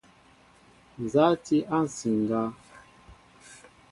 Nza a ti a nsiŋga?